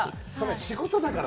仕事だから。